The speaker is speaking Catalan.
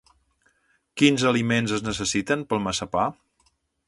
Quins aliments es necessiten per al massapà?